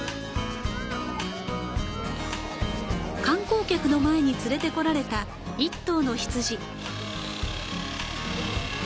観光客の前に連れて来られた１頭の羊。